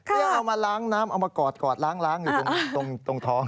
นี่เอามาล้างน้ำเอามากอดล้างอยู่ตรงท้อง